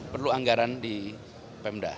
perlu anggaran di pemda